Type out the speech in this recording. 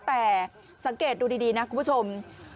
แต่สังเกตดูดีนะคุณผู้ชม